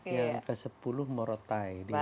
yang kesepuluh morotai di nantara